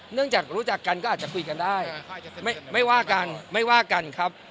เนื่องจากรู้จักกันก็อาจจะคุยกันได้ไม่ว่ากันไม่ว่ากันครับ